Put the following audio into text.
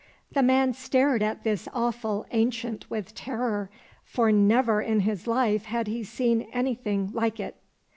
The man stared at this awful Ancient with terror, for never in his life had he seen anything like it.